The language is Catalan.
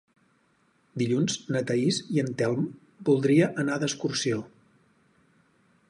Dilluns na Thaís i en Telm voldria anar d'excursió.